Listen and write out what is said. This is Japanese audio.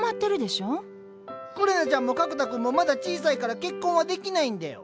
くれなちゃんも格太君もまだ小さいから結婚はできないんだよ。